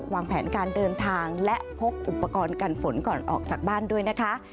วางแผนการเดินทางและพกอุปกรณ์กันฝนก่อนออกจากบ้านด้วยนะคะ